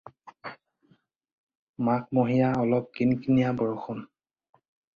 মাঘমহীয়া অলপ কিন্কিনীয়া বৰষুণ।